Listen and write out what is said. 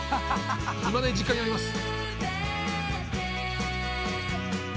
いまだに実家にあります。